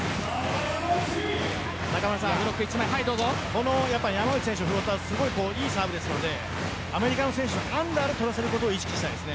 この山内選手のフローターいいサーブですのでアメリカの選手、アンダーで取らせること意識したいです。